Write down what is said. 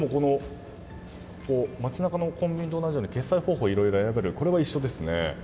街中のコンビニと同じように決済方法をいろいろ選べるのは一緒ですね。